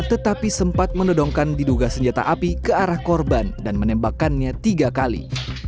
tetapi sempat menodongkan diduga senjata api ke arah korban dan menembakkannya tiga kali